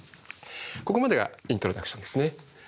ここまでがイントロダクションですね。